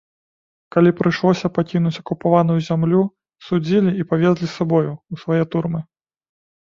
Калі прыйшлося пакінуць акупаваную зямлю, судзілі і павезлі з сабою, у свае турмы.